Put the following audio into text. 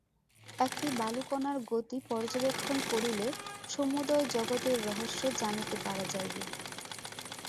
একটি বালুকণার গতি পর্যবেক্ষণ করিলে সমুদয় জগতের রহস্য জানিতে পারা যাইবে।